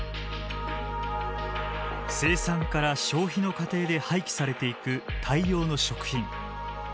生産から消費の過程で廃棄されていく大量の食品。